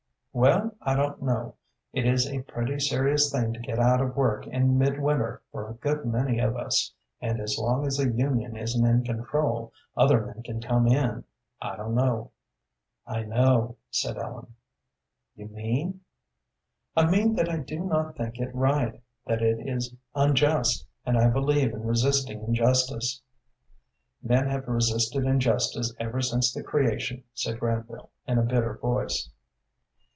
"Well, I don't know. It is a pretty serious thing to get out of work in midwinter for a good many of us, and as long as the union isn't in control, other men can come in. I don't know." "I know," said Ellen. "You mean ?" "I mean that I do not think it right, that it is unjust, and I believe in resisting injustice." "Men have resisted injustice ever since the Creation," said Granville, in a bitter voice.